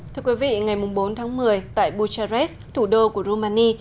thưa quý vị ngày bốn tháng một mươi tại bucharest thủ đô của romani